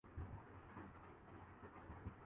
اسے یہاں پنپنے میں مشکل ہوتی ہے۔